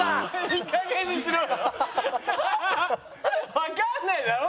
わかんないだろ？